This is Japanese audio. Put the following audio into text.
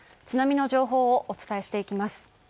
津波の情報をお伝えしていきます。